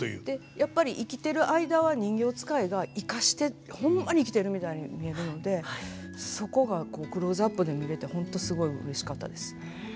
でやっぱり生きてる間は人形遣いが生かしてホンマに生きてるみたいに見えるのでそこがクローズアップで見れてほんとすごいうれしかったです。